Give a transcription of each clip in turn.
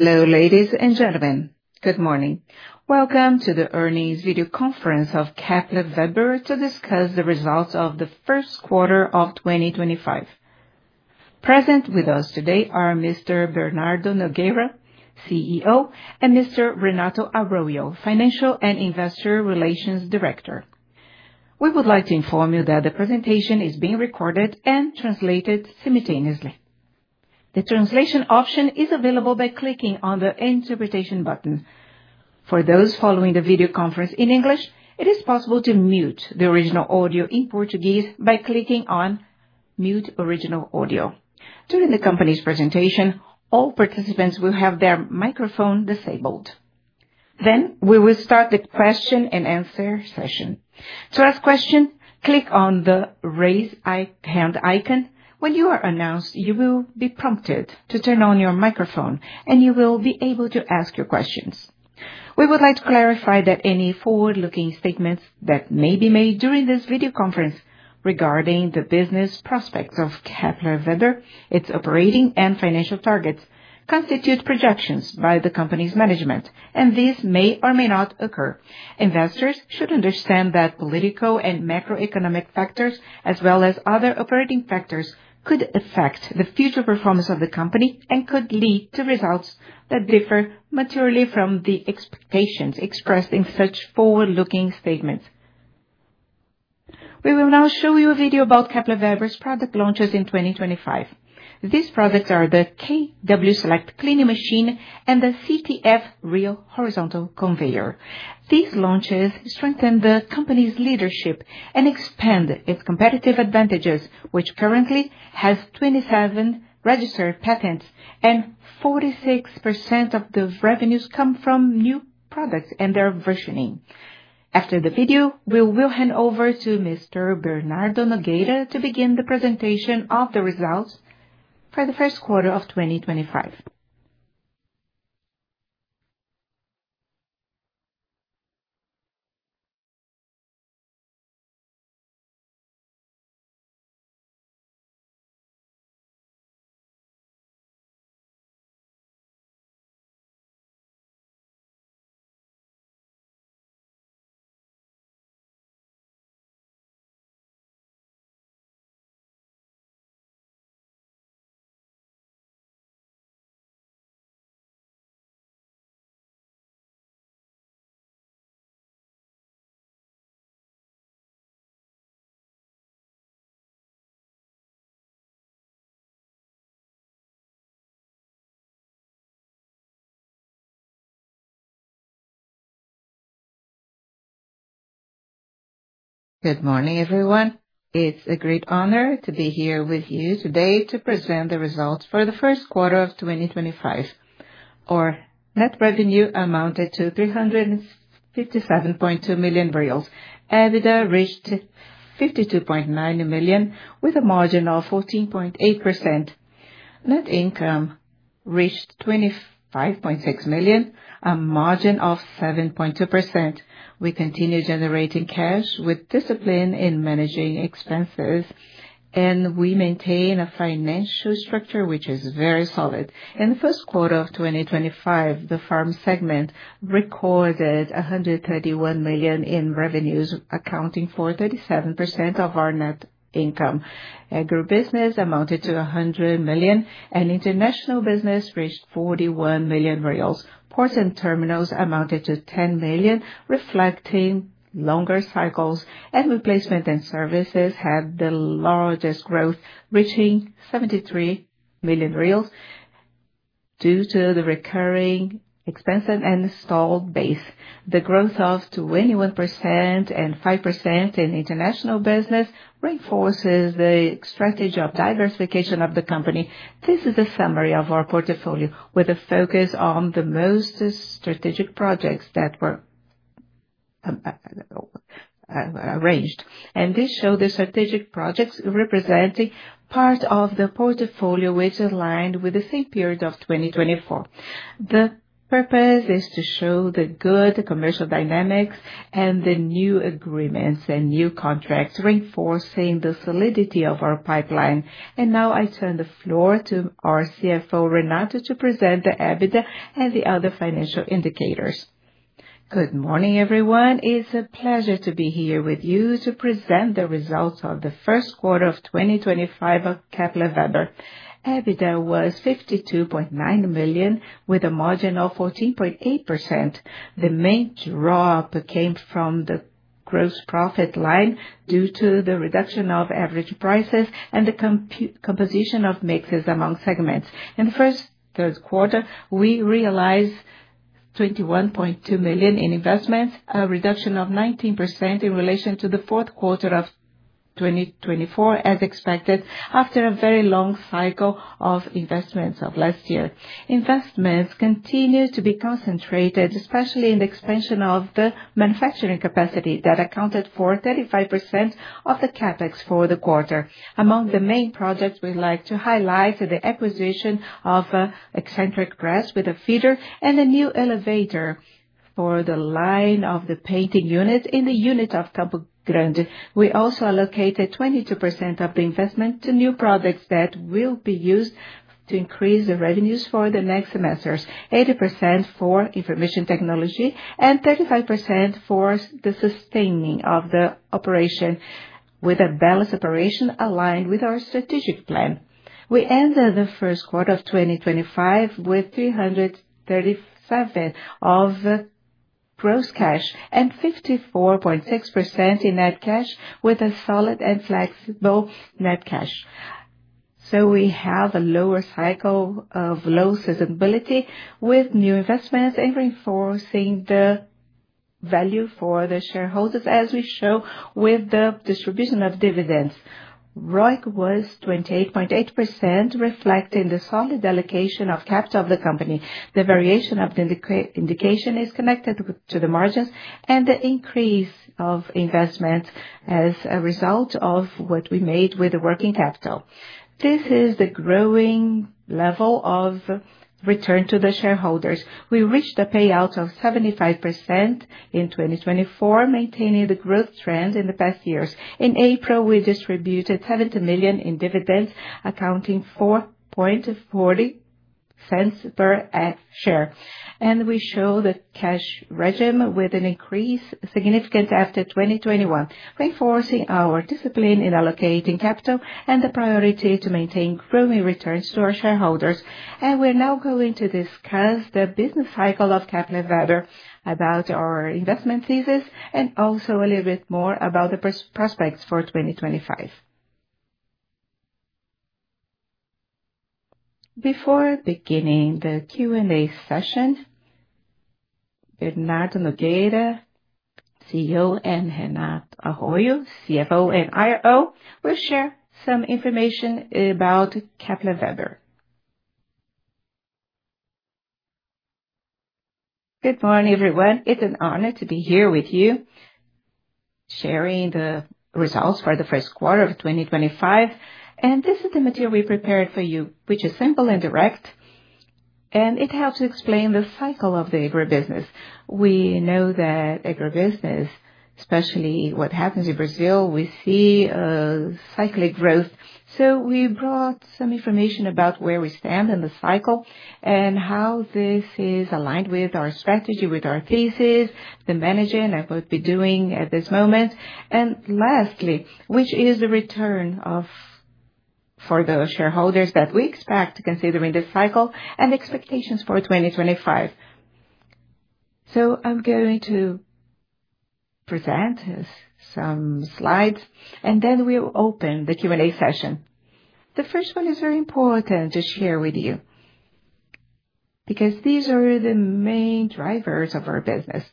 Hello, ladies and gentlemen. Good morning. Welcome to the early video conference of Kepler Weber to discuss the results of the first quarter of 2025. Present with us today are Mr. Bernardo Nogueira, CEO, and Mr. Renato Arroyo, Financial and Investor Relations Director. We would like to inform you that the presentation is being recorded and translated simultaneously. The translation option is available by clicking on the Interpretation button. For those following the video conference in English, it is possible to mute the original audio in Portuguese by clicking on Mute Original Audio. During the company's presentation, all participants will have their microphone disabled. We will start the question and answer session. To ask a question, click on the raise hand icon. When you are announced, you will be prompted to turn on your microphone, and you will be able to ask your questions. We would like to clarify that any forward-looking statements that may be made during this video conference regarding the business prospects of Kepler Weber, its operating and financial targets, constitute projections by the company's management, and this may or may not occur. Investors should understand that political and macroeconomic factors, as well as other operating factors, could affect the future performance of the company and could lead to results that differ materially from the expectations expressed in such forward-looking statements. We will now show you a video about Kepler Weber's product launches in 2025. These products are the KW Select Cleaning Machine and the CTF Redrel Horizontal Conveyor. These launches strengthen the company's leadership and expand its competitive advantages, which currently has 27 registered patents, and 46% of the revenues come from new products and their versioning. After the video, we will hand over to Mr. Bernardo Nogueira to begin the presentation of the results for the first quarter of 2025. Good morning, everyone. It's a great honor to be here with you today to present the results for the first quarter of 2025. Our net revenue amounted to 357.2 million. EBITDA reached 52.9 million, with a margin of 14.8%. Net income reached 25.6 million, a margin of 7.2%. We continue generating cash with discipline in managing expenses, and we maintain a financial structure which is very solid. In the first quarter of 2025, the farm segment recorded 131 million in revenues, accounting for 37% of our net income. Agribusiness amounted to 100 million, and international business reached 41 million reais. Ports and terminals amounted to 10 million, reflecting longer cycles, and replacement and services had the largest growth, reaching 73 million reais due to the recurring expenses and stalled base. The growth of 21% and 5% in international business reinforces the strategy of diversification of the company. This is a summary of our portfolio, with a focus on the most strategic projects that were arranged. This shows the strategic projects representing part of the portfolio, which aligned with the same period of 2024. The purpose is to show the good commercial dynamics and the new agreements and new contracts reinforcing the solidity of our pipeline. I now turn the floor to our CFO, Renato, to present the EBITDA and the other financial indicators. Good morning, everyone. It's a pleasure to be here with you to present the results of the first quarter of 2025 of Kepler Weber. EBITDA was 52.9 million, with a margin of 14.8%. The main drop came from the gross profit line due to the reduction of average prices and the composition of mixes among segments. In the first third quarter, we realized 21.2 million in investments, a reduction of 19% in relation to the fourth quarter of 2024, as expected after a very long cycle of investments of last year. Investments continue to be concentrated, especially in the expansion of the manufacturing capacity that accounted for 35% of the CapEx for the quarter. Among the main projects, we'd like to highlight the acquisition of an eccentric press with a feeder and a new elevator for the line of the painting units in the unit of Campo Grande. We also allocated 22% of the investment to new products that will be used to increase the revenues for the next semesters: 80% for information technology and 35% for the sustaining of the operation, with a balanced operation aligned with our strategic plan. We ended the first quarter of 2025 with 337 million of gross cash and 54.6% in net cash, with a solid and flexible net cash. We have a lower cycle of low sustainability with new investments and reinforcing the value for the shareholders, as we show with the distribution of dividends. ROIC was 28.8%, reflecting the solid allocation of capital of the company. The variation of the indication is connected to the margins and the increase of investment as a result of what we made with the working capital. This is the growing level of return to the shareholders. We reached a payout of 75% in 2024, maintaining the growth trend in the past years. In April, we distributed 70 million in dividends, accounting for 0.40 per share. We show the cash regime with an increase significant after 2021, reinforcing our discipline in allocating capital and the priority to maintain growing returns to our shareholders. We are now going to discuss the business cycle of Kepler Weber, about our investment thesis, and also a little bit more about the prospects for 2025.Before beginning the Q&A session, Bernardo Nogueira, CEO, and Renato Arroyo, CFO and IRO, will share some information about Kepler Weber. Good morning, everyone. It is an honor to be here with you, sharing the results for the first quarter of 2025. This is the material we prepared for you, which is simple and direct, and it helps to explain the cycle of the agribusiness. We know that agribusiness, especially what happens in Brazil, we see a cyclic growth. We brought some information about where we stand in the cycle and how this is aligned with our strategy, with our thesis, the managing and what we're doing at this moment. Lastly, which is the return for the shareholders that we expect considering the cycle and expectations for 2025. I'm going to present some slides, and then we'll open the Q&A session. The first one is very important to share with you because these are the main drivers of our business.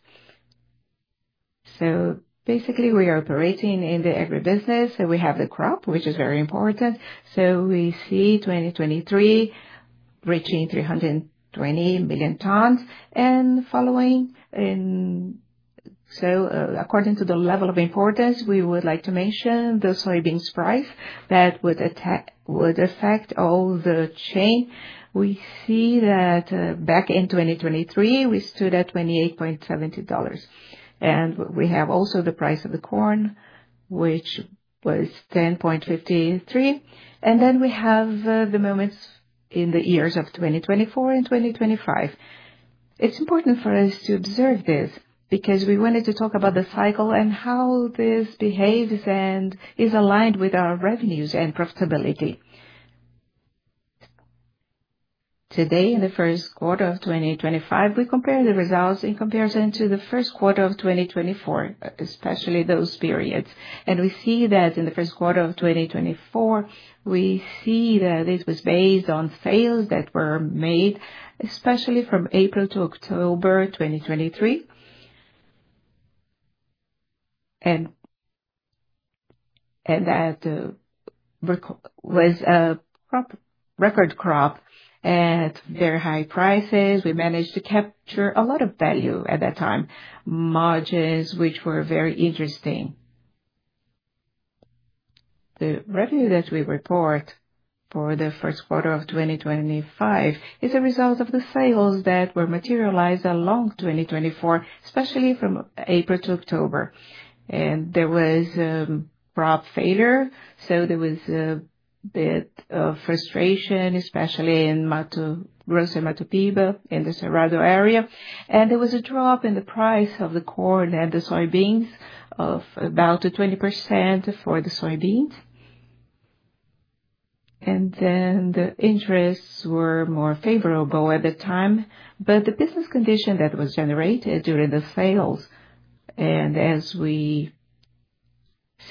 Basically, we are operating in the agribusiness. We have the crop, which is very important. We see 2023 reaching 320 million tons. Following in, according to the level of importance, we would like to mention the soybeans price that would affect all the chain. We see that back in 2023, we stood at $28.70. We have also the price of the corn, which was $10.53. We have the moments in the years of 2024 and 2025. It is important for us to observe this because we wanted to talk about the cycle and how this behaves and is aligned with our revenues and profitability. Today, in the first quarter of 2025, we compare the results in comparison to the first quarter of 2024, especially those periods. We see that in the first quarter of 2024, it was based on sales that were made, especially from April to October 2023. That was a record crop at very high prices. We managed to capture a lot of value at that time, margins which were very interesting. The revenue that we report for the first quarter of 2025 is a result of the sales that were materialized along 2024, especially from April to October. There was a crop failure, so there was a bit of frustration, especially in Mato Grosso and Matopiba in the Cerrado area. There was a drop in the price of the corn and the soybeans of about 20% for the soybeans. The interests were more favorable at the time, but the business condition that was generated during the sales. As we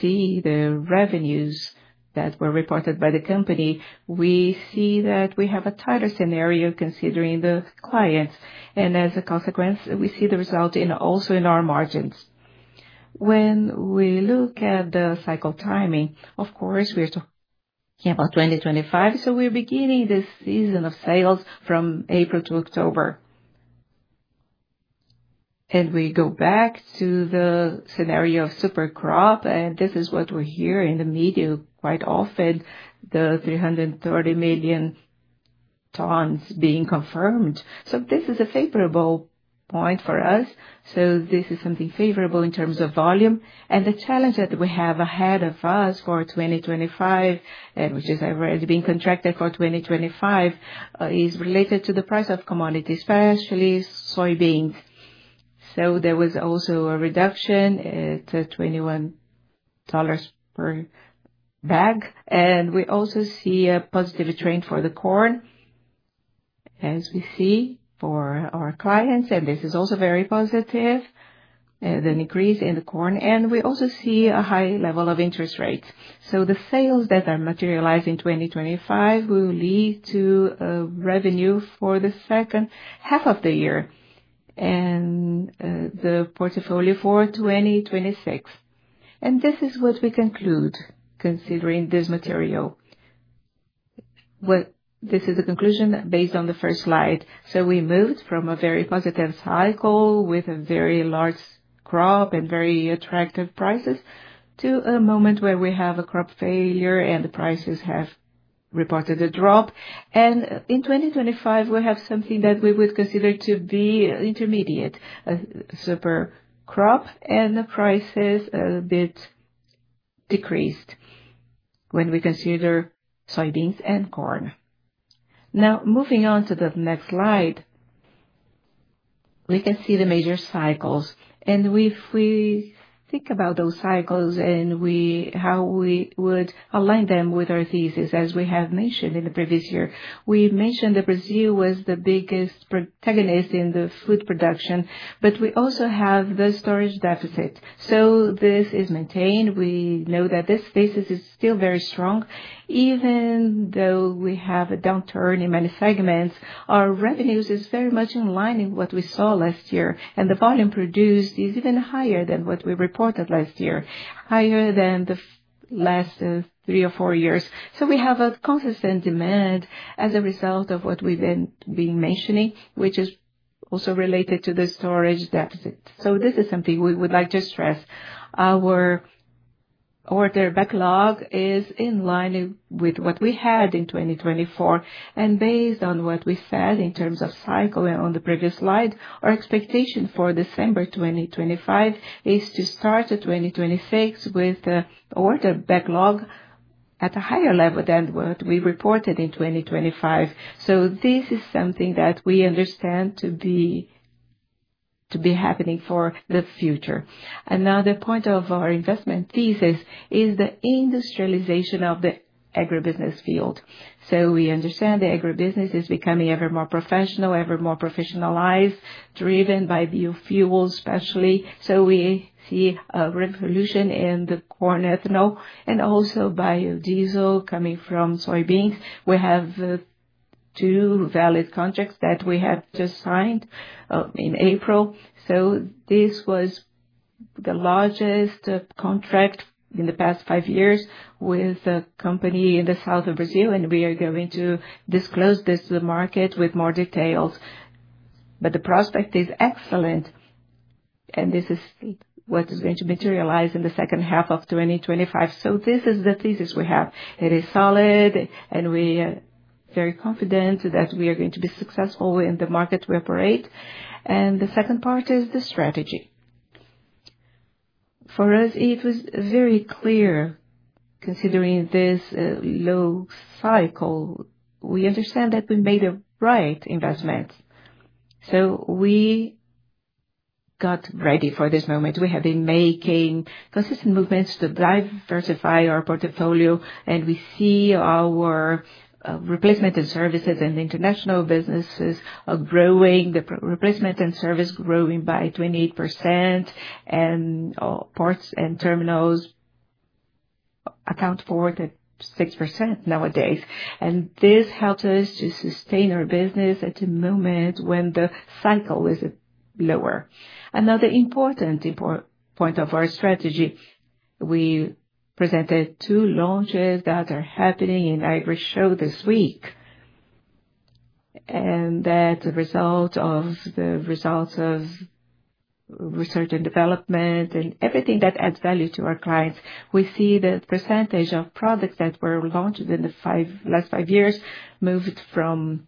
see the revenues that were reported by the company, we see that we have a tighter scenario considering the clients. As a consequence, we see the result also in our margins. When we look at the cycle timing, of course, we're talking about 2025, so we're beginning the season of sales from April to October. We go back to the scenario of super crop, and this is what we hear in the media quite often, the 330 million tons being confirmed. This is a favorable point for us. This is something favorable in terms of volume. The challenge that we have ahead of us for 2025, which has already been contracted for 2025, is related to the price of commodities, especially soybeans. There was also a reduction at $21 per bag. We also see a positive trend for the corn, as we see for our clients. This is also very positive, the increase in the corn. We also see a high level of interest rates. The sales that are materialized in 2025 will lead to revenue for the second half of the year and the portfolio for 2026. This is what we conclude considering this material. This is the conclusion based on the first slide. We moved from a very positive cycle with a very large crop and very attractive prices to a moment where we have a crop failure and the prices have reported a drop. In 2025, we have something that we would consider to be intermediate, a super crop, and the prices a bit decreased when we consider soybeans and corn. Now, moving on to the next slide, we can see the major cycles. If we think about those cycles and how we would align them with our thesis, as we have mentioned in the previous year, we mentioned that Brazil was the biggest protagonist in the food production, but we also have the storage deficit. This is maintained. We know that this thesis is still very strong. Even though we have a downturn in many segments, our revenues are very much in line with what we saw last year. The volume produced is even higher than what we reported last year, higher than the last three or four years. We have a consistent demand as a result of what we have been mentioning, which is also related to the storage deficit. This is something we would like to stress. Our order backlog is in line with what we had in 2024. Based on what we said in terms of cycle and on the previous slide, our expectation for December 2025 is to start 2026 with the order backlog at a higher level than what we reported in 2025. This is something that we understand to be happening for the future. Another point of our investment thesis is the industrialization of the agribusiness field. We understand the agribusiness is becoming ever more professional, ever more professionalized, driven by biofuels, especially. We see a revolution in the corn ethanol and also biodiesel coming from soybeans. We have two valid contracts that we have just signed in April. This was the largest contract in the past five years with a company in the south of Brazil, and we are going to disclose this to the market with more details. The prospect is excellent, and this is what is going to materialize in the second half of 2025. This is the thesis we have. It is solid, and we are very confident that we are going to be successful in the market we operate. The second part is the strategy. For us, it was very clear considering this low cycle. We understand that we made the right investments. We got ready for this moment. We have been making consistent movements to diversify our portfolio, and we see our replacement and services and international businesses are growing. The replacement and service is growing by 28%, and ports and terminals account for 6% nowadays. This helps us to sustain our business at a moment when the cycle is lower. Another important point of our strategy, we presented two launches that are happening in AgriShow this week. That is a result of the results of research and development and everything that adds value to our clients. We see the percentage of products that were launched in the last five years moved from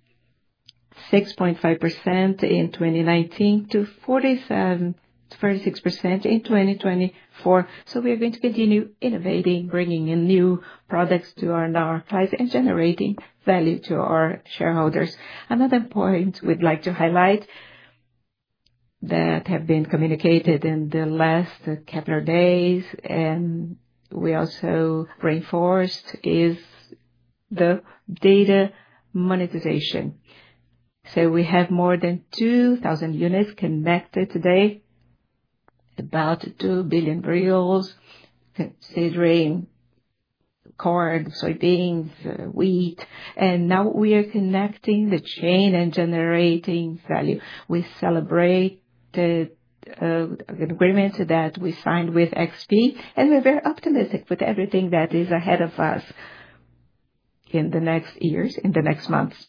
6.5% in 2019 to 46% in 2024. We are going to continue innovating, bringing in new products to our clients and generating value to our shareholders. Another point we'd like to highlight that has been communicated in the last Kepler Days, and we also reinforced, is the data monetization. We have more than 2,000 units connected today, about BRL 2 billion, considering corn, soybeans, wheat. Now we are connecting the chain and generating value. We celebrate the agreement that we signed with XP, and we're very optimistic with everything that is ahead of us in the next years, in the next months.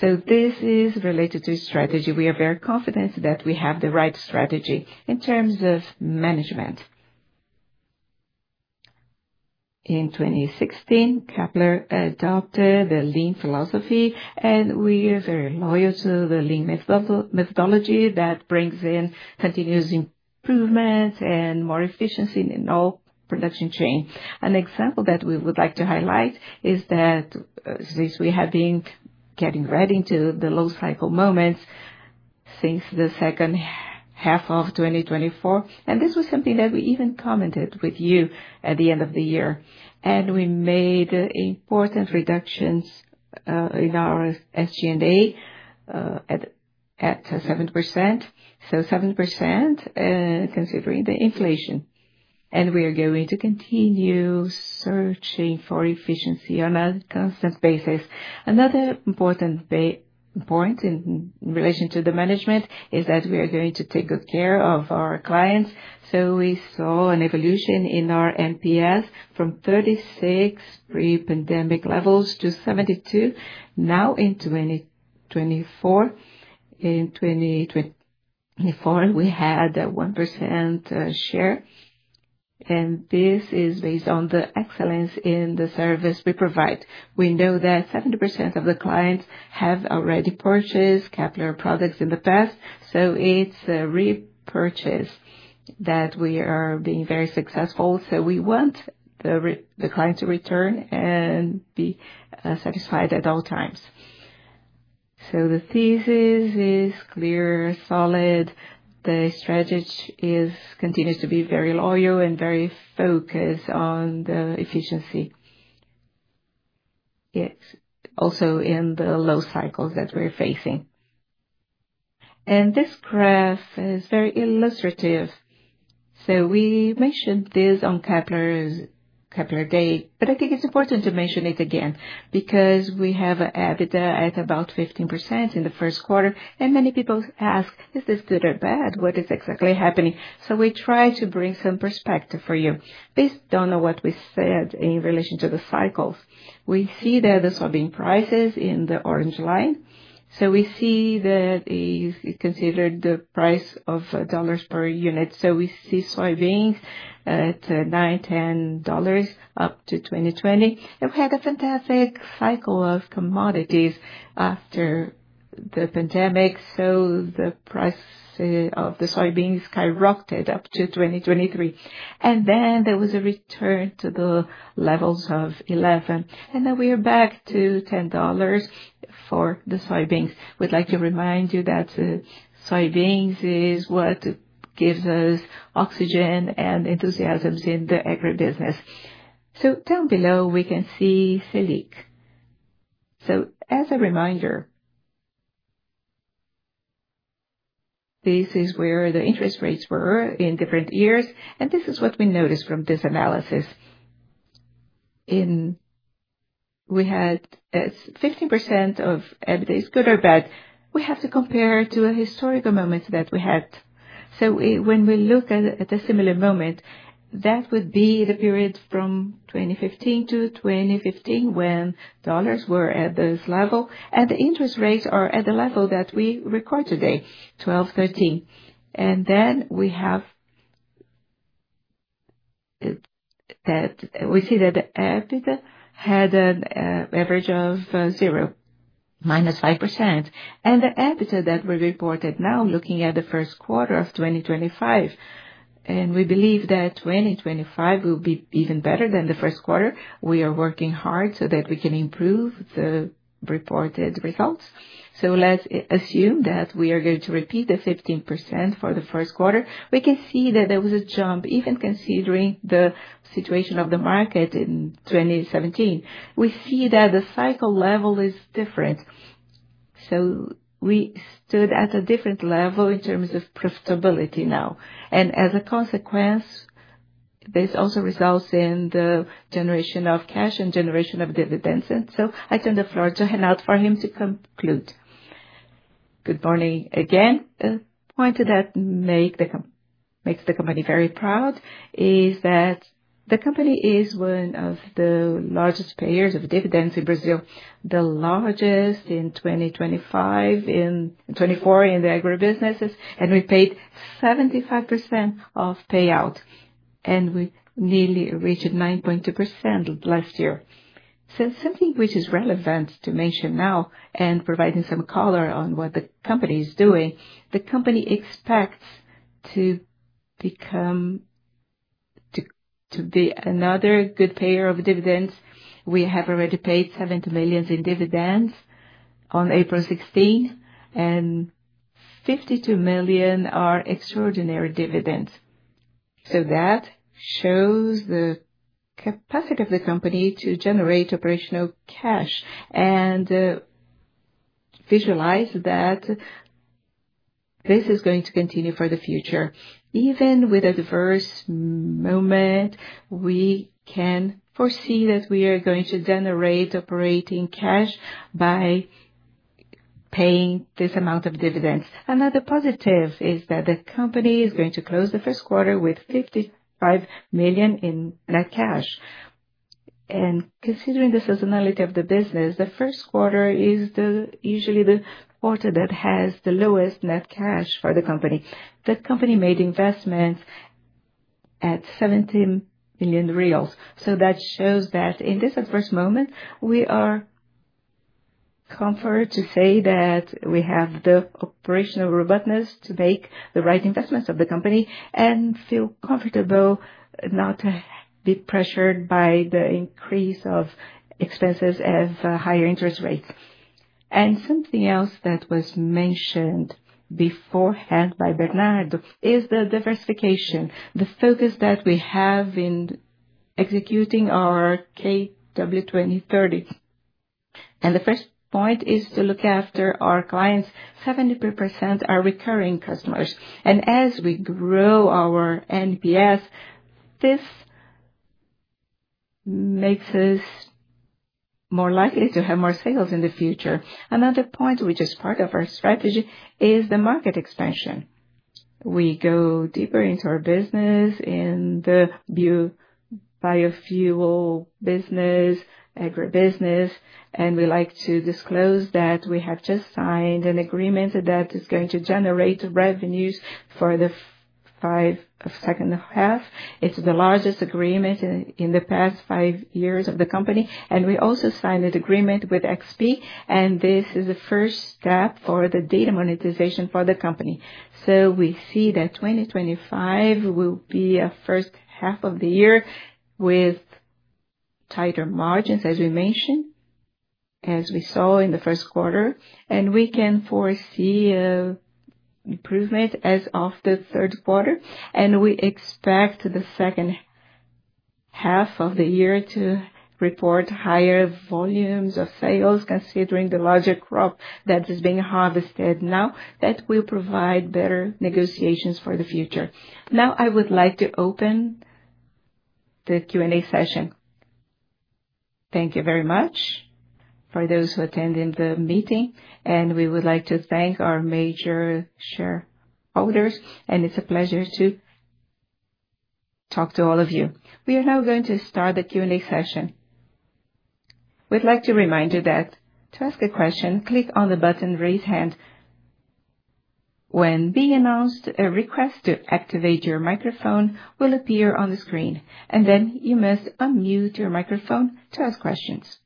This is related to strategy. We are very confident that we have the right strategy in terms of management. In 2016, Kepler adopted the Lean philosophy, and we are very loyal to the Lean methodology that brings in continuous improvement and more efficiency in all production chains. An example that we would like to highlight is that we have been getting ready to the low cycle moments since the second half of 2024. This was something that we even commented with you at the end of the year. We made important reductions in our SG&A at 7%, so 7% considering the inflation. We are going to continue searching for efficiency on a constant basis. Another important point in relation to the management is that we are going to take good care of our clients. We saw an evolution in our NPS from 36 pre-pandemic levels to 72. Now, in 2024, we had a 1% share. This is based on the excellence in the service we provide. We know that 70% of the clients have already purchased Kepler products in the past. It is a repurchase that we are being very successful. We want the client to return and be satisfied at all times. The thesis is clear, solid. The strategy continues to be very loyal and very focused on the efficiency, also in the low cycles that we're facing. This graph is very illustrative. We mentioned this on Kepler Day, but I think it's important to mention it again because we have an EBITDA at about 15% in the first quarter. Many people ask, is this good or bad? What is exactly happening? We try to bring some perspective for you. Based on what we said in relation to the cycles, we see that the soybean prices in the orange line. We see that it's considered the price of dollars per unit. We see soybeans at $9.10 up to 2020. We had a fantastic cycle of commodities after the pandemic. The price of the soybeans skyrocketed up to 2023. There was a return to the levels of $11. We are back to $10 for the soybeans. We'd like to remind you that soybeans is what gives us oxygen and enthusiasm in the agribusiness. Down below, we can see SELIC. As a reminder, this is where the interest rates were in different years. This is what we noticed from this analysis. We had 15% of EBITDA is good or bad. We have to compare to a historical moment that we had. When we look at a similar moment, that would be the period from 2015 to 2015 when dollars were at this level. The interest rates are at the level that we record today, 12.13. We see that the EBITDA had an average of zero, minus 5%. The EBITDA that we reported now, looking at the first quarter of 2025, and we believe that 2025 will be even better than the first quarter. We are working hard so that we can improve the reported results. Let's assume that we are going to repeat the 15% for the first quarter. We can see that there was a jump, even considering the situation of the market in 2017. We see that the cycle level is different. We stood at a different level in terms of profitability now. As a consequence, this also results in the generation of cash and generation of dividends. I turn the floor to Renato for him to conclude. Good morning again. A point that makes the company very proud is that the company is one of the largest payers of dividends in Brazil, the largest in 2024 in the agribusinesses. We paid 75% of payout, and we nearly reached 9.2% last year. Something which is relevant to mention now and providing some color on what the company is doing, the company expects to be another good payer of dividends. We have already paid 70 million in dividends on April 16, and 52 million are extraordinary dividends. That shows the capacity of the company to generate operational cash and visualize that this is going to continue for the future. Even with a diverse moment, we can foresee that we are going to generate operating cash by paying this amount of dividends. Another positive is that the company is going to close the first quarter with 55 million in net cash. Considering the seasonality of the business, the first quarter is usually the quarter that has the lowest net cash for the company. The company made investments at 70 million reais. That shows that in this adverse moment, we are comforted to say that we have the operational robustness to make the right investments of the company and feel comfortable not to be pressured by the increase of expenses of higher interest rates. Something else that was mentioned beforehand by Bernardo is the diversification, the focus that we have in executing our KW 2030. The first point is to look after our clients. 70% are recurring customers. As we grow our NPS, this makes us more likely to have more sales in the future. Another point, which is part of our strategy, is the market expansion. We go deeper into our business in the biofuel business, agribusiness. We like to disclose that we have just signed an agreement that is going to generate revenues for the second half. It is the largest agreement in the past five years of the company. We also signed an agreement with XP, and this is the first step for the data monetization for the company. We see that 2025 will be a first half of the year with tighter margins, as we mentioned, as we saw in the first quarter. We can foresee improvement as of the third quarter. We expect the second half of the year to report higher volumes of sales, considering the larger crop that is being harvested now, that will provide better negotiations for the future. Now, I would like to open the Q&A session. Thank you very much for those who attended the meeting. We would like to thank our major shareholders. It is a pleasure to talk to all of you. We are now going to start the Q&A session. We'd like to remind you that to ask a question, click on the button raise hand. When being announced, a request to activate your microphone will appear on the screen. You must unmute your microphone to ask questions.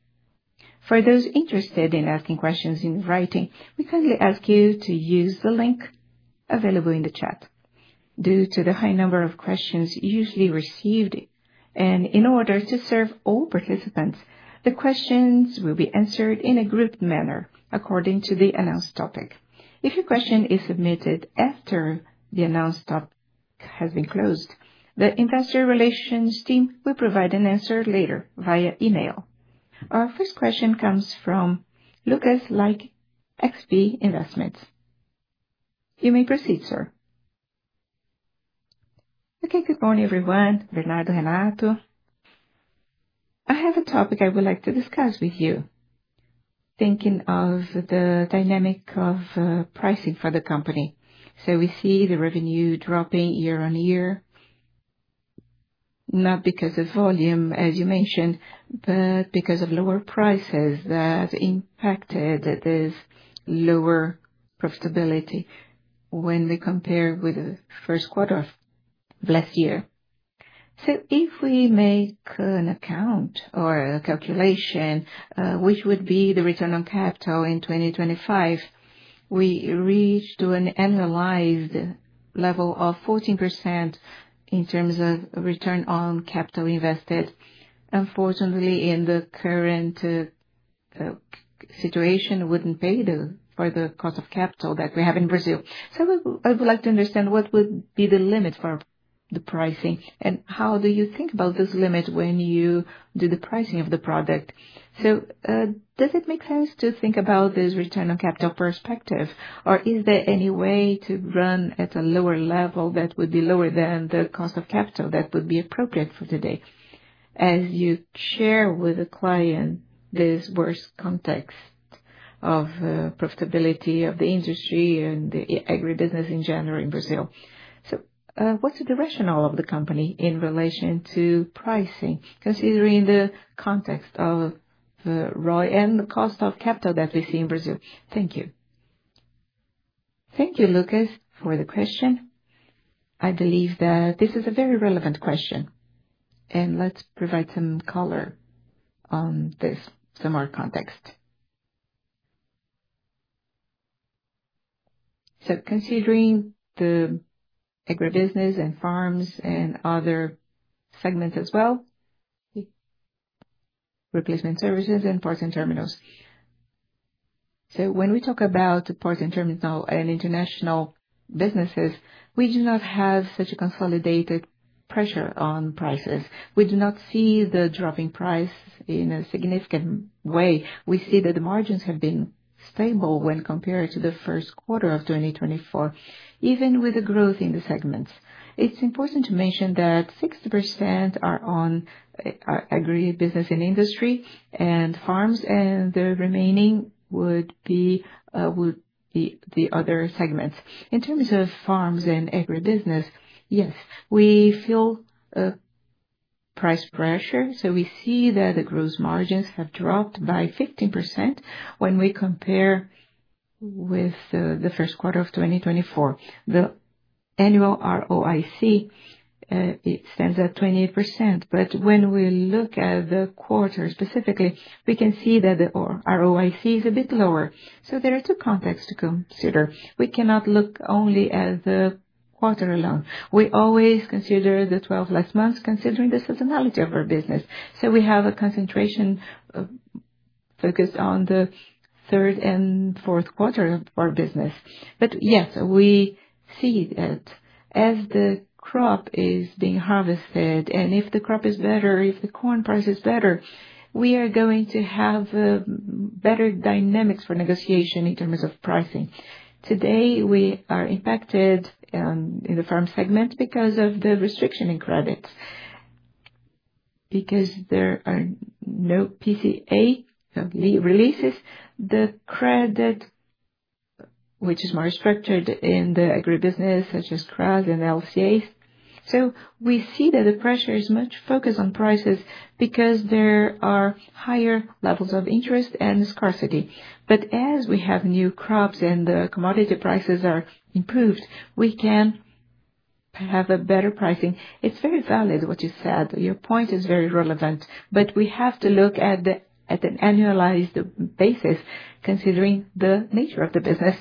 For those interested in asking questions in writing, we kindly ask you to use the link available in the chat. Due to the high number of questions usually received, and in order to serve all participants, the questions will be answered in a group manner according to the announced topic. If your question is submitted after the announced topic has been closed, the investor relations team will provide an answer later via email. Our first question comes from Lucas Laghi, XP Investimentos. You may proceed, sir. Okay, good morning, everyone. Bernardo, Renato. I have a topic I would like to discuss with you, thinking of the dynamic of pricing for the company. We see the revenue dropping year on year, not because of volume, as you mentioned, but because of lower prices that impacted this lower profitability when we compare with the first quarter of last year. If we make an account or a calculation, which would be the return on capital in 2025, we reached an annualized level of 14% in terms of return on capital invested. Unfortunately, in the current situation, we would not pay for the cost of capital that we have in Brazil. I would like to understand what would be the limit for the pricing, and how do you think about this limit when you do the pricing of the product? Does it make sense to think about this return on capital perspective, or is there any way to run at a lower level that would be lower than the cost of capital that would be appropriate for today? As you share with the client this worst context of profitability of the industry and the agribusiness in general in Brazil. What is the rationale of the company in relation to pricing, considering the context of ROI and the cost of capital that we see in Brazil? Thank you. Thank you, Lucas, for the question. I believe that this is a very relevant question, and let's provide some color on this, some more context. Considering the agribusiness and farms and other segments as well, replacement services and parts and terminals. When we talk about parts and terminals and international businesses, we do not have such a consolidated pressure on prices. We do not see the dropping price in a significant way. We see that the margins have been stable when compared to the first quarter of 2024, even with the growth in the segments. It is important to mention that 60% are on agribusiness and industry and farms, and the remaining would be the other segments. In terms of farms and agribusiness, yes, we feel price pressure. We see that the gross margins have dropped by 15% when we compare with the first quarter of 2024. The annual ROIC stands at 28%. When we look at the quarter specifically, we can see that the ROIC is a bit lower. There are two contexts to consider. We cannot look only at the quarter alone. We always consider the last 12 months, considering the seasonality of our business. We have a concentration focused on the third and fourth quarter of our business. Yes, we see that as the crop is being harvested, and if the crop is better, if the corn price is better, we are going to have better dynamics for negotiation in terms of pricing. Today, we are impacted in the farm segment because of the restriction in credits. There are no PCA releases, the credit, which is more structured in the agribusiness, such as CRAs and LCAs. We see that the pressure is much focused on prices because there are higher levels of interest and scarcity. But as we have new crops and the commodity prices are improved, we can have a better pricing. It is very valid what you said. Your point is very relevant. We have to look at an annualized basis, considering the nature of the business.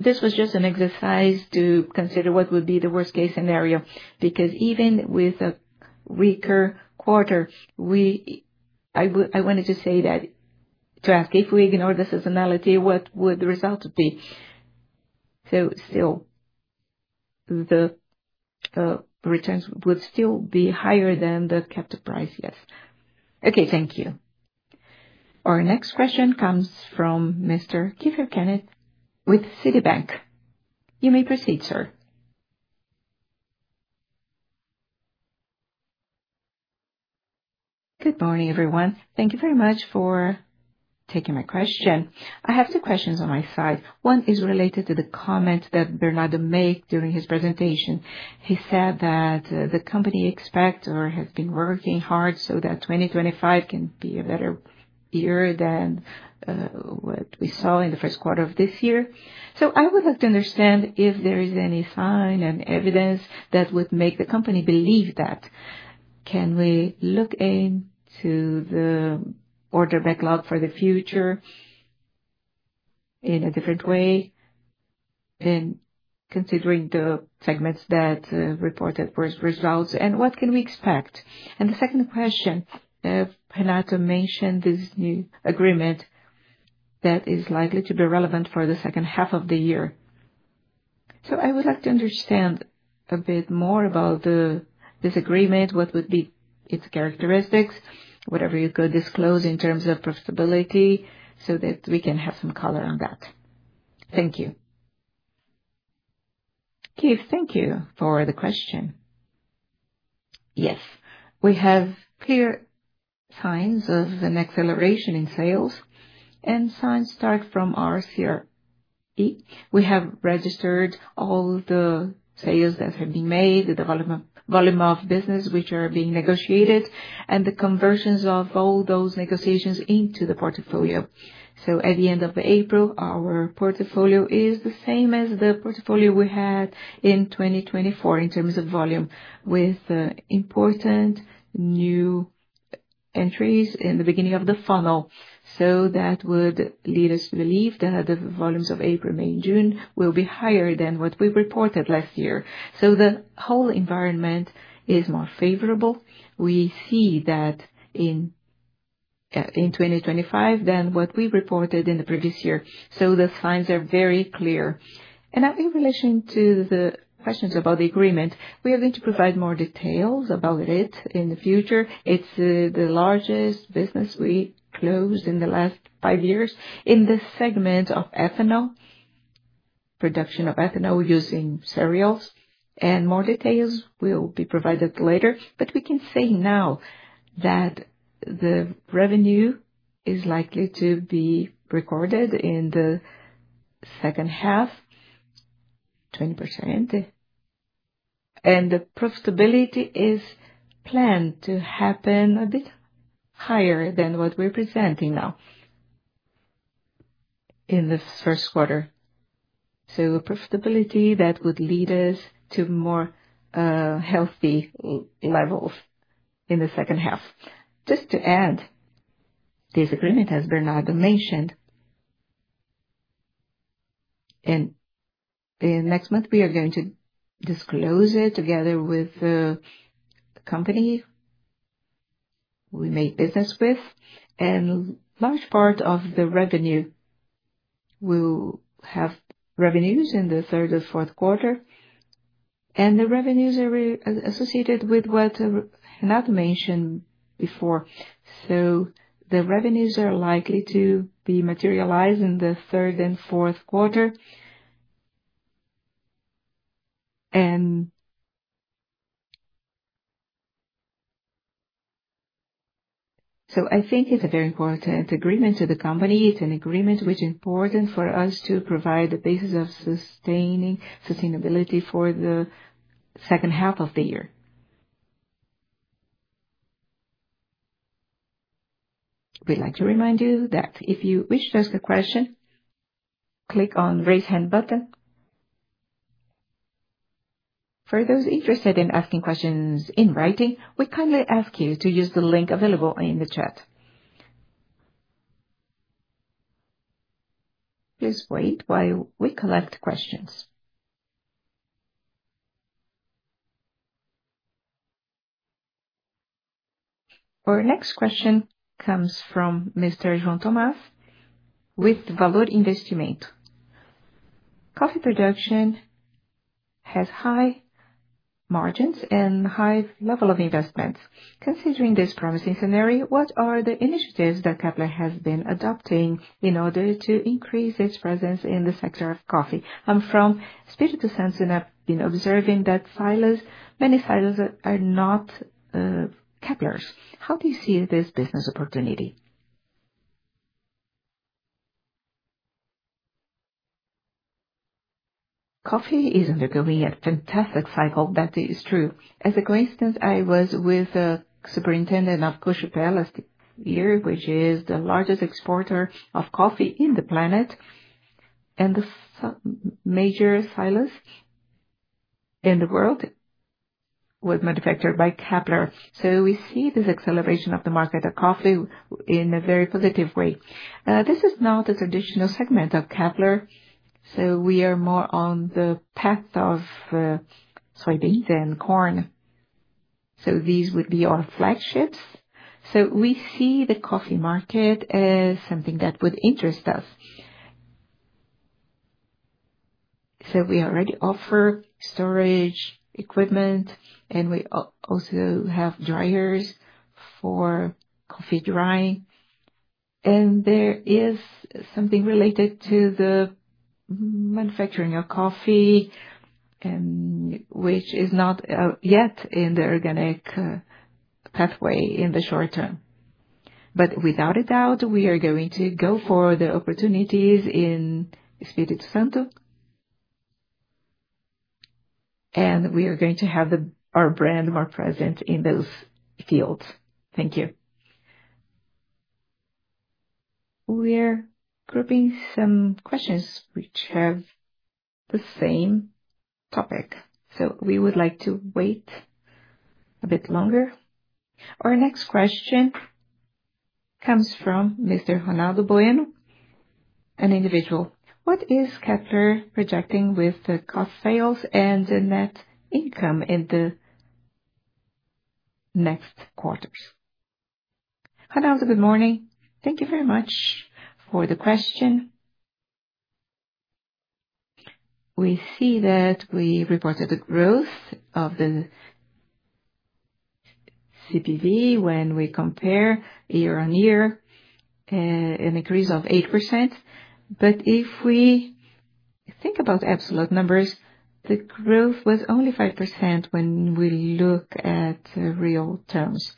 This was just an exercise to consider what would be the worst-case scenario. Because even with a weaker quarter, I wanted to say that to ask if we ignore the seasonality, what would the result be? Still, the returns would still be higher than the captive price, yes. Okay, thank you. Our next question comes from Mr. Kiefer Kenneth with Citibank. You may proceed, sir. Good morning, everyone. Thank you very much for taking my question. I have two questions on my side. One is related to the comment that Bernardo made during his presentation. He said that the company expects or has been working hard so that 2025 can be a better year than what we saw in the first quarter of this year. I would like to understand if there is any sign and evidence that would make the company believe that. Can we look into the order backlog for the future in a different way, considering the segments that reported worst results, and what can we expect? The second question, Renato mentioned this new agreement that is likely to be relevant for the second half of the year. I would like to understand a bit more about this agreement, what would be its characteristics, whatever you could disclose in terms of profitability so that we can have some color on that. Thank you. Keith, thank you for the question. Yes, we have clear signs of an acceleration in sales. Signs start from RCR. We have registered all the sales that have been made, the volume of business which are being negotiated, and the conversions of all those negotiations into the portfolio. At the end of April, our portfolio is the same as the portfolio we had in 2024 in terms of volume, with important new entries in the beginning of the funnel. That would lead us to believe that the volumes of April, May, and June will be higher than what we reported last year. The whole environment is more favorable. We see that in 2025 than what we reported in the previous year. The signs are very clear. In relation to the questions about the agreement, we are going to provide more details about it in the future. It's the largest business we closed in the last five years in the segment of ethanol, production of ethanol using cereals. More details will be provided later. We can say now that the revenue is likely to be recorded in the second half, 20%. The profitability is planned to happen a bit higher than what we're presenting now in the first quarter. Profitability that would lead us to more healthy levels in the second half. Just to add, this agreement, as Bernardo mentioned, in the next month, we are going to disclose it together with the company we made business with. A large part of the revenue will have revenues in the third or fourth quarter. The revenues are associated with what Renato mentioned before. The revenues are likely to be materialized in the third and fourth quarter. I think it's a very important agreement to the company. It's an agreement which is important for us to provide the basis of sustaining sustainability for the second half of the year. We'd like to remind you that if you wish to ask a question, click on the raise hand button. For those interested in asking questions in writing, we kindly ask you to use the link available in the chat. Please wait while we collect questions. Our next question comes from Mr. João Tomás with Valor Investimentos. Coffee production has high margins and high level of investments. Considering this promising scenario, what are the initiatives that Kepler has been adopting in order to increase its presence in the sector of coffee? I'm from Espírito Santo and have been observing that many silos are not Kepler's. How do you see this business opportunity? Coffee is undergoing a fantastic cycle, that is true. As a coincidence, I was with the superintendent of Cooxupé here, which is the largest exporter of coffee on the planet, and the major silos in the world were manufactured by Kepler. We see this acceleration of the market of coffee in a very positive way. This is not a traditional segment of Kepler, we are more on the path of soybeans and corn. These would be our flagships. We see the coffee market as something that would interest us. We already offer storage equipment, and we also have dryers for coffee drying. There is something related to the manufacturing of coffee, which is not yet in the organic pathway in the short term. Without a doubt, we are going to go for the opportunities in Espírito Santo. We are going to have our brand more present in those fields. Thank you. We are grouping some questions which have the same topic. We would like to wait a bit longer. Our next question comes from Mr. Ronaldo Bueno, an individual. What is Kepler projecting with the cost sales and the net income in the next quarters? Hanauto, good morning. Thank you very much for the question. We see that we reported the growth of the COGS when we compare year on year, an increase of 8%. If we think about absolute numbers, the growth was only 5% when we look at real terms.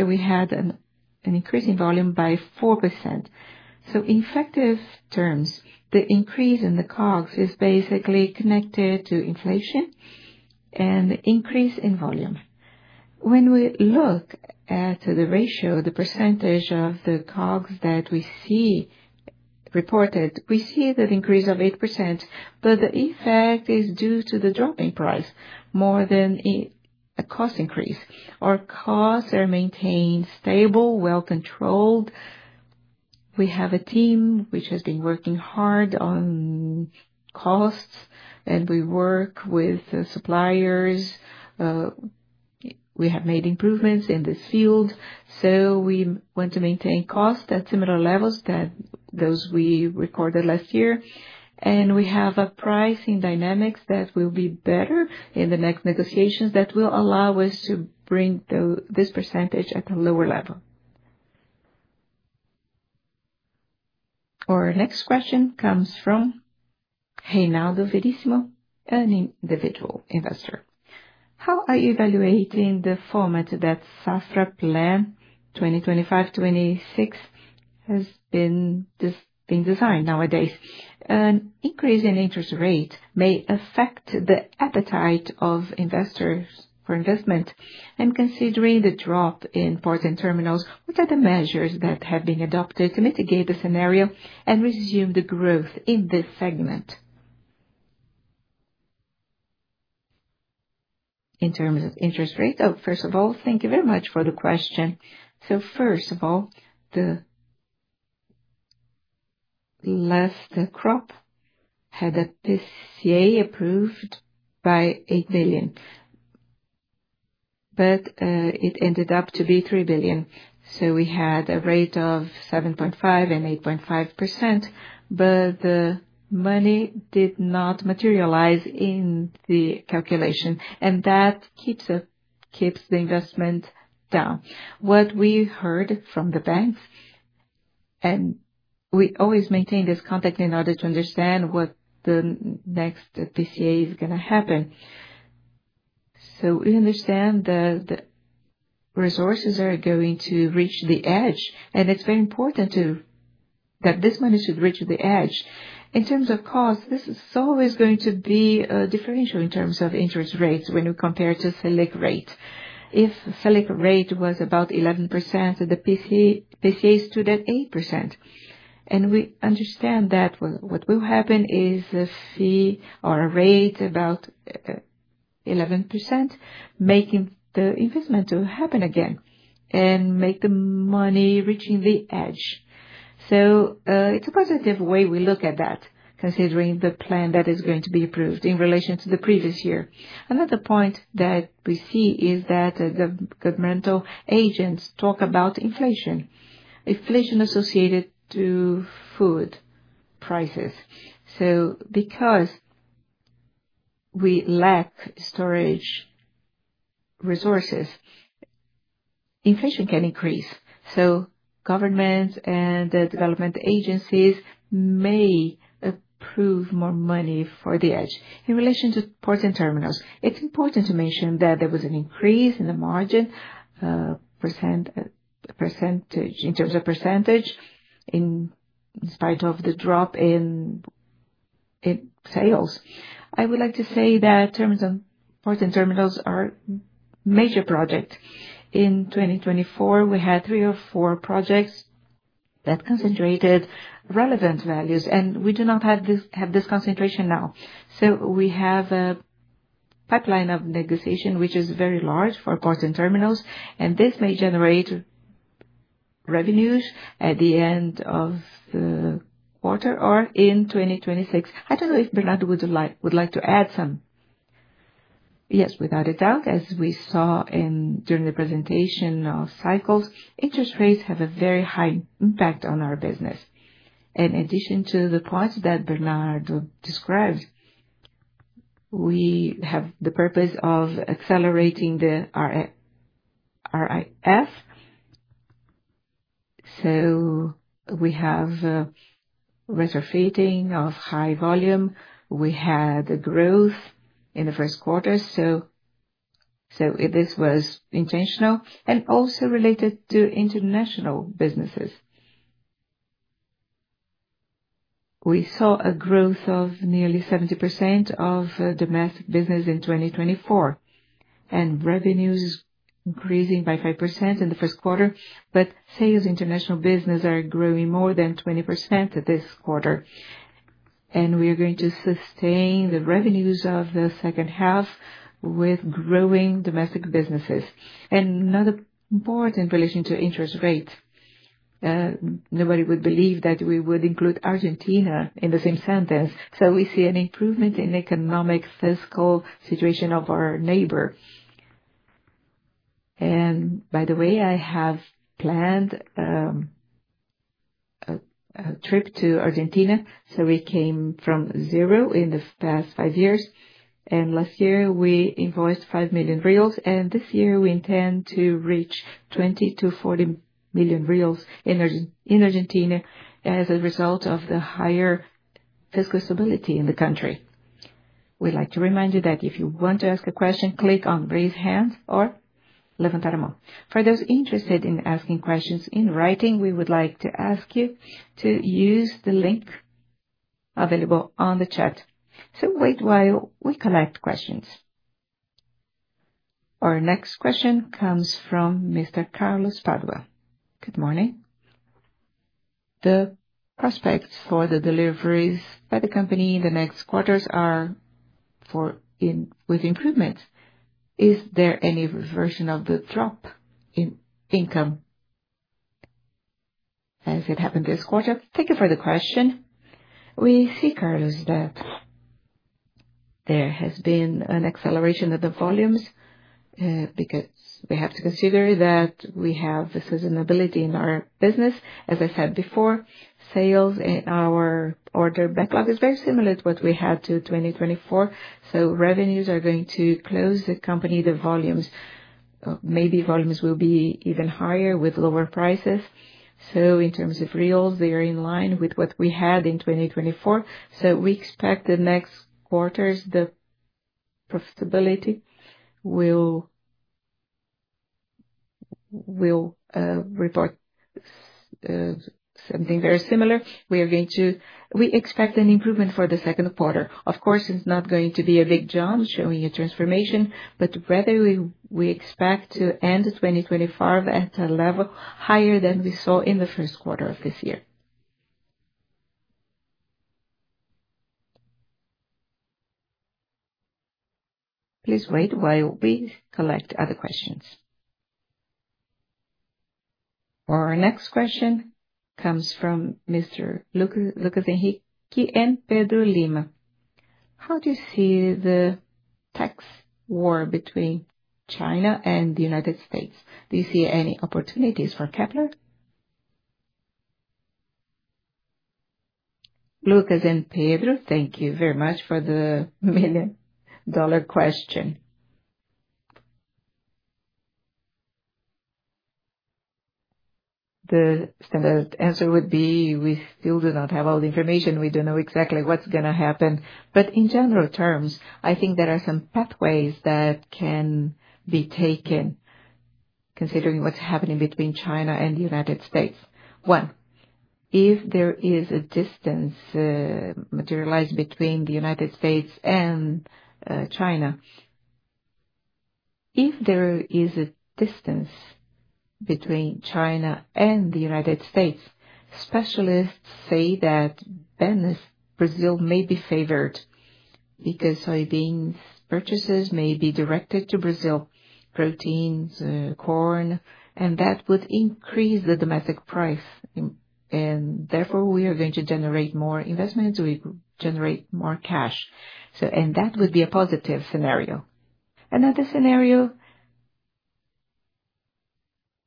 We had an increase in volume by 4%. In effective terms, the increase in the COGS is basically connected to inflation and the increase in volume. When we look at the ratio, the percentage of the COGS that we see reported, we see the increase of 8%. The effect is due to the dropping price more than a cost increase. Our costs are maintained stable, well-controlled. We have a team which has been working hard on costs, and we work with suppliers. We have made improvements in this field. We want to maintain costs at similar levels to those we recorded last year. We have a pricing dynamic that will be better in the next negotiations that will allow us to bring this percentage at a lower level. Our next question comes from Renato Verissimo, an individual investor. How are you evaluating the format that Safra Plan 2025-2026 has been designed nowadays? An increase in interest rate may affect the appetite of investors for investment. Considering the drop in port and terminals, what are the measures that have been adopted to mitigate the scenario and resume the growth in this segment? In terms of interest rate, first of all, thank you very much for the question. First of all, the last crop had a PCA approved by 8 billion, but it ended up to be 3 billion. We had a rate of 7.5%-8.5%, but the money did not materialize in the calculation, and that keeps the investment down. What we heard from the banks, and we always maintain this contact in order to understand what the next PCA is going to happen. We understand that the resources are going to reach the edge, and it is very important that this money should reach the edge. In terms of cost, this is always going to be a differential in terms of interest rates when we compare to SELIC rate. If SELIC rate was about 11%, the PCA stood at 8%. We understand that what will happen is see our rate about 11% making the investment to happen again and make the money reaching the edge. It is a positive way we look at that, considering the plan that is going to be approved in relation to the previous year. Another point that we see is that the governmental agents talk about inflation, inflation associated to food prices. Because we lack storage resources, inflation can increase. Governments and development agencies may approve more money for the edge. In relation to port and terminals, it's important to mention that there was an increase in the margin in terms of percentage in spite of the drop in sales. I would like to say that port and terminals are a major project. In 2024, we had three or four projects that concentrated relevant values. We do not have this concentration now. We have a pipeline of negotiation which is very large for port and terminals. This may generate revenues at the end of the quarter or in 2026. I don't know if Bernardo would like to add some. Yes, without a doubt, as we saw during the presentation of cycles, interest rates have a very high impact on our business. In addition to the points that Bernardo described, we have the purpose of accelerating the RIF. We have retrofitting of high volume. We had growth in the first quarter. This was intentional and also related to international businesses. We saw a growth of nearly 70% of domestic business in 2024 and revenues increasing by 5% in the first quarter. Sales in international business are growing more than 20% this quarter. We are going to sustain the revenues of the second half with growing domestic businesses. Another important relation to interest rate, nobody would believe that we would include Argentina in the same sentence. We see an improvement in the economic fiscal situation of our neighbor. By the way, I have planned a trip to Argentina. We came from zero in the past five years. Last year, we invoiced 5 million reais. This year, we intend to reach 20 million-40 million reais in Argentina as a result of the higher fiscal stability in the country. We'd like to remind you that if you want to ask a question, click on raise hand or levantar a mão. For those interested in asking questions in writing, we would like to ask you to use the link available on the chat. Please wait while we collect questions. Our next question comes from Mr. Carlos Padua. Good morning. The prospects for the deliveries by the company in the next quarters are with improvements. Is there any reversion of the drop in income as it happened this quarter? Thank you for the question. We see, Carlos, that there has been an acceleration of the volumes because we have to consider that we have a seasonality in our business. As I said before, sales in our order backlog is very similar to what we had for 2024. Revenues are going to close the company. The volumes, maybe volumes will be even higher with lower prices. In terms of reais, they are in line with what we had in 2024. We expect the next quarters, the profitability will report something very similar. We expect an improvement for the second quarter. Of course, it is not going to be a big jump showing a transformation, but rather we expect to end 2025 at a level higher than we saw in the first quarter of this year. Please wait while we collect other questions. Our next question comes from Mr. Lucas Henrique and Pedro Lima. How do you see the tax war between China and the United States? Do you see any opportunities for Kepler? Lucas and Pedro, thank you very much for the million-dollar question. The standard answer would be we still do not have all the information. We do not know exactly what is going to happen. In general terms, I think there are some pathways that can be taken considering what is happening between China and the United States. One, if there is a distance materialized between the United States and China. If there is a distance between China and the United States, specialists say that Venezuela may be favored because soybean purchases may be directed to Brazil, proteins, corn, and that would increase the domestic price. Therefore, we are going to generate more investments. We generate more cash. That would be a positive scenario. Another scenario,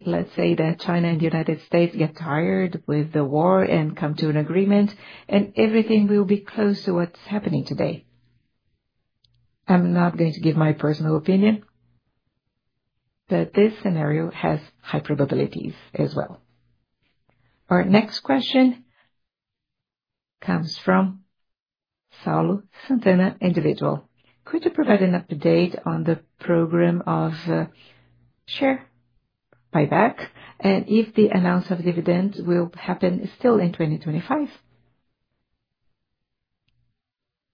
let's say that China and the United States get tired with the war and come to an agreement, and everything will be close to what's happening today. I'm not going to give my personal opinion, but this scenario has high probabilities as well. Our next question comes from Saulo Santana, individual. Could you provide an update on the program of share buyback and if the announcement of dividends will happen still in 2025?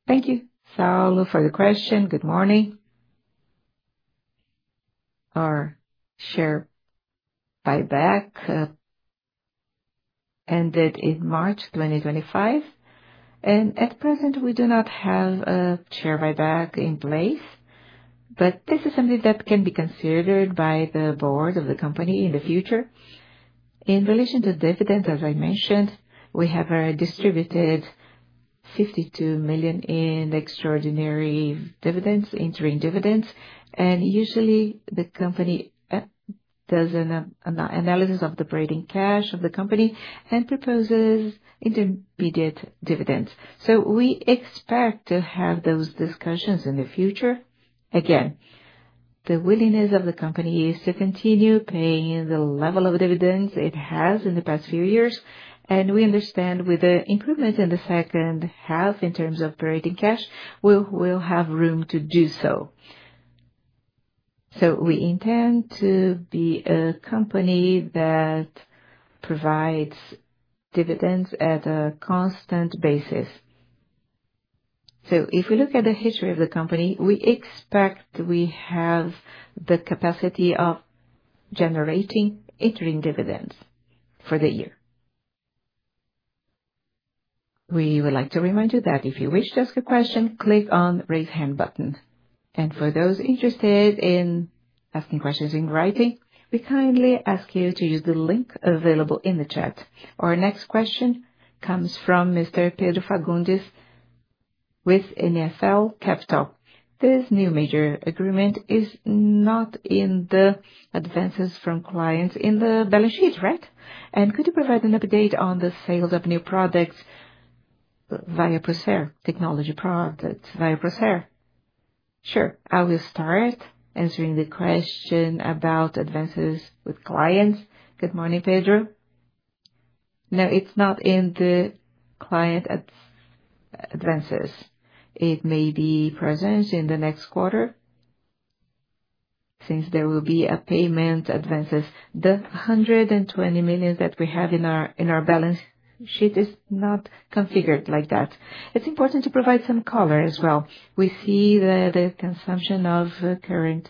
Thank you, Saulo, for the question. Good morning. Our share buyback ended in March 2025. At present, we do not have a share buyback in place. This is something that can be considered by the board of the company in the future. In relation to dividends, as I mentioned, we have distributed 52 million in extraordinary dividends, interim dividends. Usually, the company does an analysis of the breeding cash of the company and proposes intermediate dividends. We expect to have those discussions in the future. Again, the willingness of the company is to continue paying the level of dividends it has in the past few years. We understand with the improvement in the second half in terms of breeding cash, we will have room to do so. We intend to be a company that provides dividends at a constant basis. If we look at the history of the company, we expect we have the capacity of generating interim dividends for the year. We would like to remind you that if you wish to ask a question, click on the raise hand button. For those interested in asking questions in writing, we kindly ask you to use the link available in the chat. Our next question comes from Mr. Pedro Fagundes with NFL Capital. This new major agreement is not in the advances from clients in the balance sheet, right? Could you provide an update on the sales of new products via ProCER, technology products via ProCER? Sure. I will start answering the question about advances with clients. Good morning, Pedro. No, it is not in the client advances. It may be present in the next quarter since there will be a payment advances. The 120 million that we have in our balance sheet is not configured like that. It is important to provide some color as well. We see that the consumption of current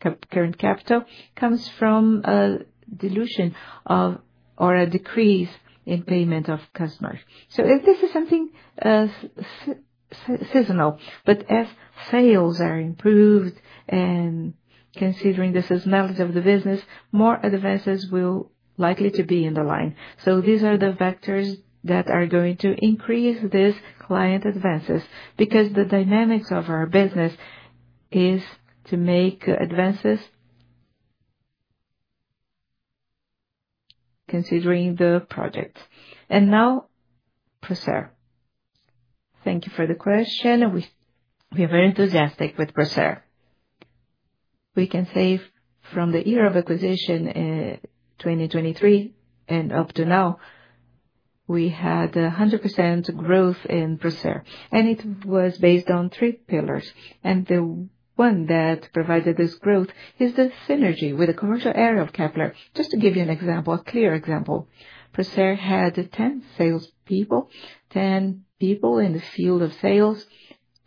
capital comes from a dilution or a decrease in payment of customers. This is something seasonal. As sales are improved and considering this as knowledge of the business, more advances will likely be in the line. These are the factors that are going to increase these client advances because the dynamics of our business is to make advances considering the projects. Now, ProCER. Thank you for the question. We are very enthusiastic with ProCER. We can say from the year of acquisition in 2023 and up to now, we had 100% growth in ProCER. It was based on three pillars. The one that provided this growth is the synergy with the commercial area of Kepler. Just to give you an example, a clear example, ProCER had 10 salespeople, 10 people in the field of sales,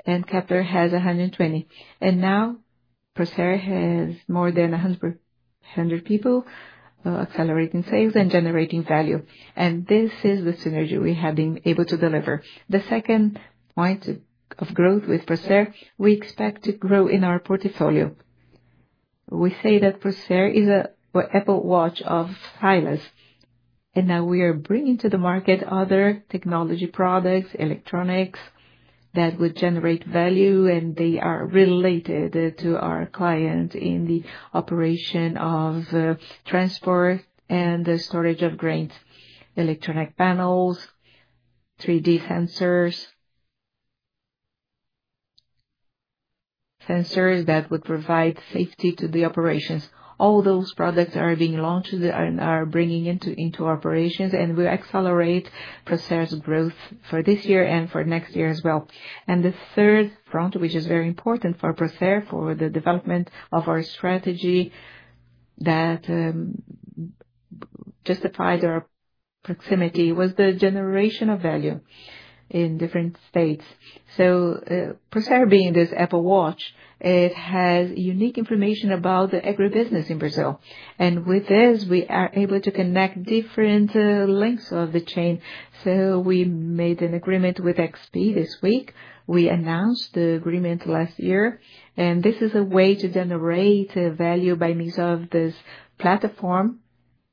and Kepler has 120. Now, ProCER has more than 100 people accelerating sales and generating value. This is the synergy we have been able to deliver. The second point of growth with ProCER, we expect to grow in our portfolio. We say that ProCER is an Apple Watch of highness. Now we are bringing to the market other technology products, electronics that would generate value, and they are related to our client in the operation of transport and storage of grains, electronic panels, 3D sensors, sensors that would provide safety to the operations. All those products are being launched and are bringing into operations, and we accelerate ProCER's growth for this year and for next year as well. The third front, which is very important for ProCER, for the development of our strategy that justified our proximity, was the generation of value in different states. ProCER, being this Apple Watch, it has unique information about the agribusiness in Brazil. With this, we are able to connect different links of the chain. We made an agreement with XP this week. We announced the agreement last year. This is a way to generate value by means of this platform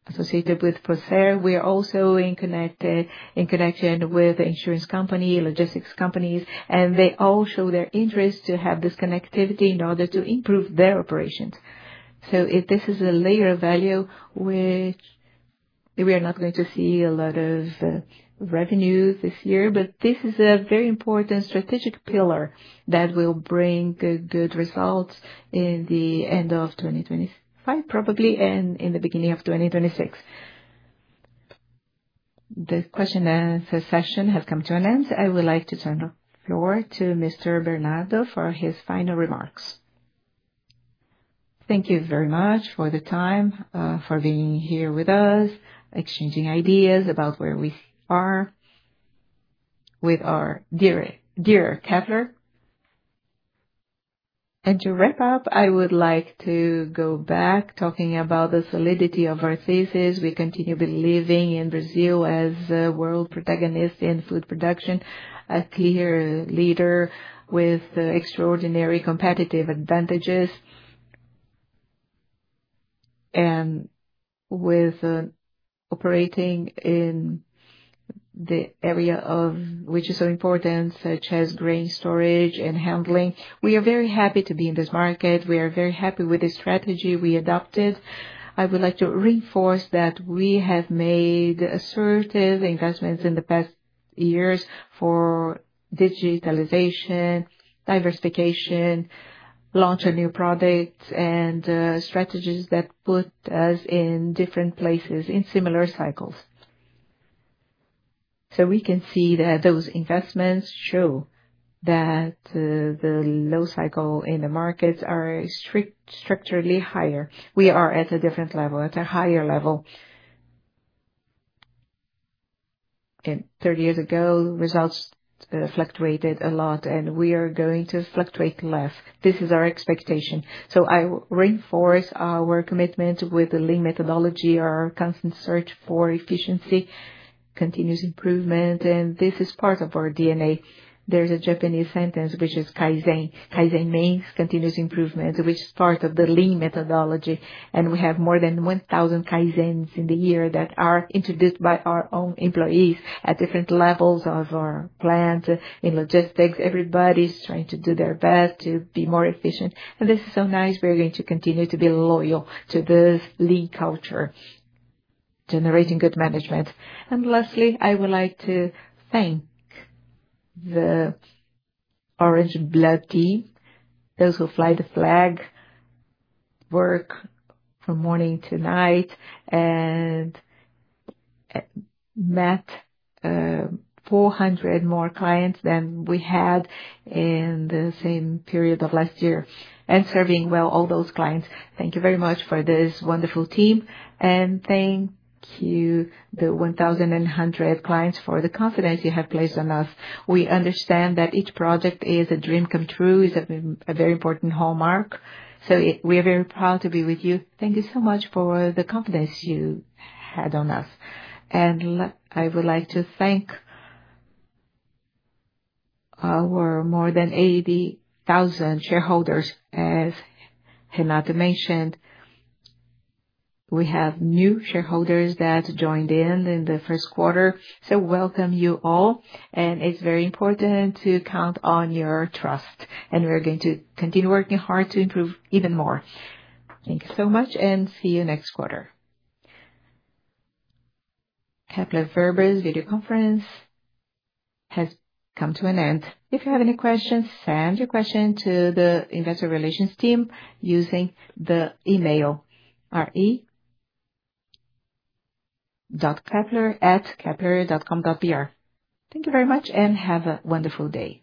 associated with ProCER. We are also in connection with insurance companies, logistics companies, and they all show their interest to have this connectivity in order to improve their operations. This is a layer of value, which we are not going to see a lot of revenue this year, but this is a very important strategic pillar that will bring good results in the end of 2025, probably, and in the beginning of 2026. The question and answer session has come to an end. I would like to turn the floor to Mr. Bernardo for his final remarks. Thank you very much for the time, for being here with us, exchanging ideas about where we are with our dear Kepler. To wrap up, I would like to go back talking about the solidity of our thesis. We continue believing in Brazil as a world protagonist in food production, a clear leader with extraordinary competitive advantages, and with operating in the area of which is so important, such as grain storage and handling. We are very happy to be in this market. We are very happy with the strategy we adopted. I would like to reinforce that we have made assertive investments in the past years for digitalization, diversification, launching new products, and strategies that put us in different places in similar cycles. We can see that those investments show that the low cycle in the markets are structurally higher. We are at a different level, at a higher level. Thirty years ago, results fluctuated a lot, and we are going to fluctuate less. This is our expectation. I reinforce our commitment with the lean methodology, our constant search for efficiency, continuous improvement, and this is part of our DNA. There is a Japanese sentence, which is Kaizen. Kaizen means continuous improvement, which is part of the lean methodology. We have more than 1,000 Kaizens in the year that are introduced by our own employees at different levels of our plant. In logistics, everybody is trying to do their best to be more efficient. This is so nice. We are going to continue to be loyal to this lean culture, generating good management. Lastly, I would like to thank the orange blood team, those who fly the flag, work from morning to night, and met 400 more clients than we had in the same period of last year, and serving well all those clients. Thank you very much for this wonderful team. Thank you, the 1,100 clients, for the confidence you have placed on us. We understand that each project is a dream come true, is a very important hallmark. We are very proud to be with you. Thank you so much for the confidence you had on us. I would like to thank our more than 80,000 shareholders. As Renato mentioned, we have new shareholders that joined in in the first quarter. Welcome you all. It is very important to count on your trust. We are going to continue working hard to improve even more. Thank you so much and see you next quarter. Kepler Weber's video conference has come to an end. If you have any questions, send your question to the investor relations team using the email, ri.kepler@kepler.com.br. Thank you very much and have a wonderful day.